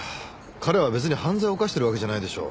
彼は別に犯罪を犯してるわけじゃないでしょう？